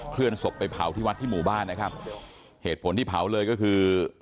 เลื่อนศพไปเผาที่วัดที่หมู่บ้านนะครับเหตุผลที่เผาเลยก็คือ